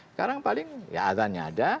sekarang paling ya azannya ada